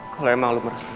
kalau emang lo merasa